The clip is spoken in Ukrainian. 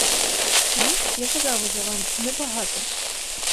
Їх, я казав уже вам, небагато.